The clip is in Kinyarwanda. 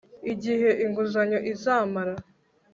igihe inguzanyo izamara